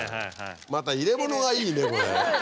また入れ物がいいねこれ。